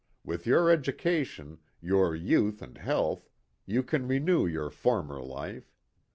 With your education, your youth and health, you can renew your former life.